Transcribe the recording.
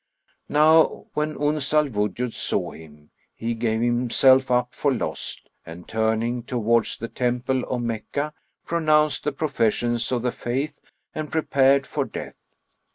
Now when Uns al Wujud saw him, he gave himself up for lost, and turning[FN#44] towards the Temple of Meccah, pronounced the professions of the faith and prepared for death.